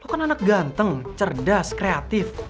aku kan anak ganteng cerdas kreatif